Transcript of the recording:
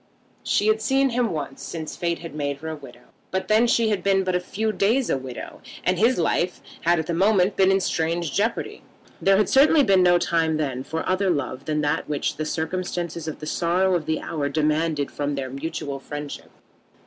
She had seen him once since Fate had made her a widow; but then she had been but a few days a widow, and his life had at that moment been in strange jeopardy. There had certainly been no time then for other love than that which the circumstances and the sorrow of the hour demanded from their mutual friendship.